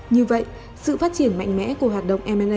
như vậy sự phát triển mạnh mẽ của hạt động m ba n